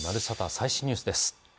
最新ニュースです。